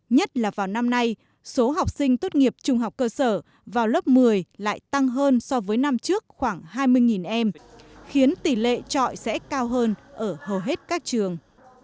nhất là vào năm nay số học sinh tốt nghiệp trung học cơ sở vào lớp một mươi lại tăng hơn so với năm trước khoảng hai mươi em khiến tỷ lệ trọi sẽ cao hơn ở hầu hết các trường